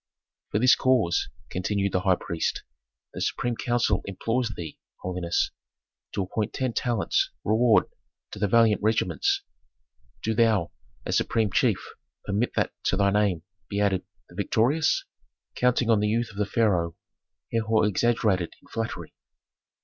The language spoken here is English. "For this cause," continued the high priest, "the supreme council implores thee, holiness, to appoint ten talents' reward to the valiant regiments. Do thou, as supreme chief, permit that to thy name be added 'The Victorious.'" Counting on the youth of the pharaoh, Herhor exaggerated in flattery.